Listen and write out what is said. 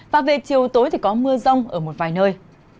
và về chiều tối thì có mưa rông ở một vài nơi